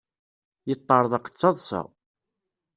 Yeṭṭerḍeq d taḍsa.